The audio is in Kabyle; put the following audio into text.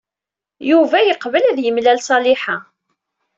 Yuba yeqbel ad yemlal Ṣaliḥa.